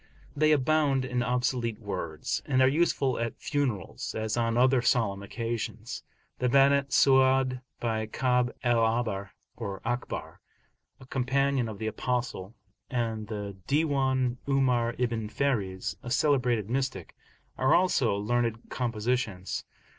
They abound in obsolete words, and are useful at funerals, as on other solemn occasions. The Banat Su'adi, by Ka'ab al Ahbar (or Akhbar), a companion of the Apostle, and the Diwan 'Umar ibn Fariz, a celebrated mystic, are also learned compositions.